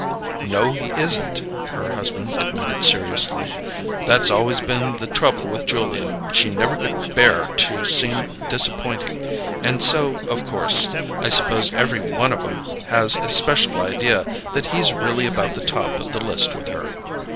"No, he isn't," her husband admitted seriously. "That's always been the trouble with Julia; she never could bear to seem disappointing; and so, of course, I suppose every one of 'em has a special idea that he's really about the top of the list with her."